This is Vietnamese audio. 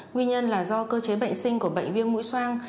nguyên nhân là do cơ chế bệnh sinh của bệnh viêm mũi soang